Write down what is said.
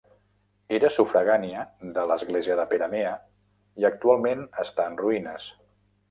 Era sufragània de l'església de Peramea i actualment està en ruïnes.